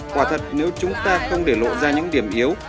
quả thật nếu chúng ta không để lộ ra những điểm yếu